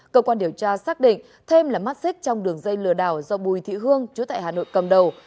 cơ quan điều tra xác định thêm là mắt xích trong đường dây lừa đảo do bùi thị hương chú tại hà nội cầm đầu